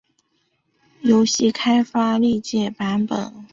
游戏开发历届版本